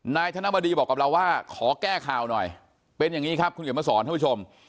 ธนบดีบอกกับเราว่าขอแก้ข่าวหน่อยเป็นอย่างนี้ครับคุณเขียนมาสอนท่านผู้ชม